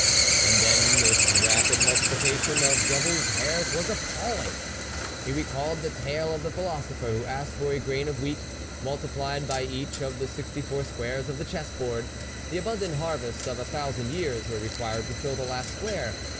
And then this rapid multiplication of devil's hairs was appalling ! He recalled the tale of the philosopher who asked for a grain of wheat, multiplied by each of the sixty four squares of the chess board the abundant harvests of a thousand years were required to fill the last square.